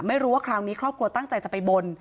ไม่รู้ว่าคราวนี้ครอบครัวตั้งใจจะไปบน